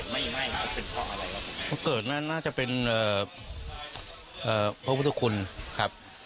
เมื่อเกิดนั้นน่าจะเป็นพระพุทธขุนครับ